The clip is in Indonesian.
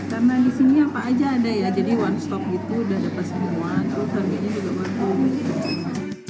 karena di sini apa saja ada ya jadi one stop gitu udah dapat sepuluhan terus harganya juga berapa